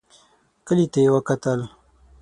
کلي ته يې وکتل.